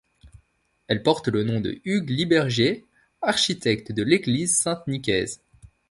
Elle porte le nom de Hugues Libergier architecte de l'église Saint-Nicaise.